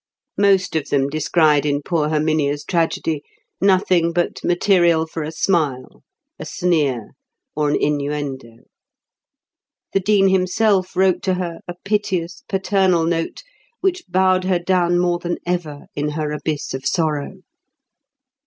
Most of them descried in poor Herminia's tragedy nothing but material for a smile, a sneer, or an innuendo. The Dean himself wrote to her, a piteous, paternal note, which bowed her down more than ever in her abyss of sorrow.